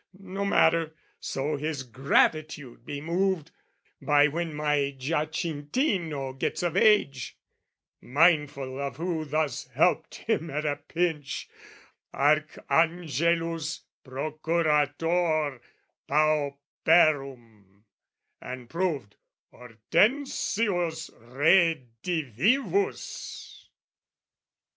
No matter, so his gratitude be moved, By when my Giacintino gets of age, Mindful of who thus helped him at a pinch, Archangelus Procurator Pauperum And proved Hortensius Redivivus!